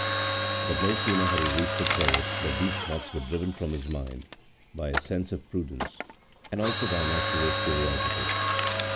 But no sooner had he reached the terrace than these thoughts were driven from his mind by a sense of prudence, and also by natural curiosity.